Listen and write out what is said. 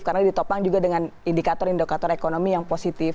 karena ditopang juga dengan indikator indikator ekonomi yang positif